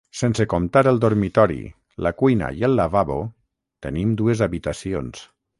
Sense comptar el dormitori, la cuina i el lavabo, tenim dues habitacions.